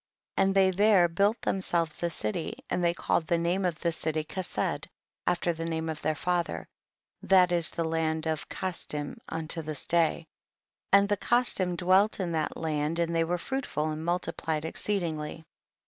30. And they there built them selves a city, and they called the name of the city Kesed after the name of their father, that is the land Kasdimt unto this day, and the Kas dim dwelt in that land and they were fruitful and multiphed exceed ingly 31.